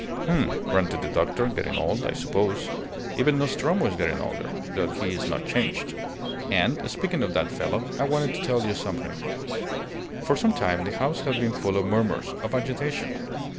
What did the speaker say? "H'm," grunted the doctor; "getting old, I suppose. Even Nostromo is getting older though he is not changed. And, speaking of that fellow, I wanted to tell you something " For some time the house had been full of murmurs, of agitation.